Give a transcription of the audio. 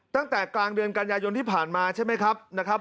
ตั้งแต่กลางเดือนกันยายนที่ผ่านมาใช่ไหมครับนะครับ